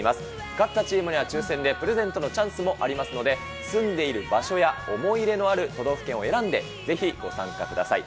勝ったチームには抽せんでプレゼントのチャンスもありますので、住んでいる場所や、思い入れのある都道府県を選んで、ぜひご参加ください。